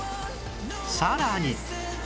さらに